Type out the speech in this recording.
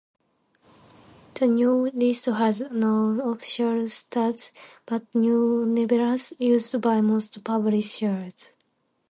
The new list has no official status, but is nevertheless used by most publishers.